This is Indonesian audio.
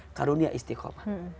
untuk dunia istiqomah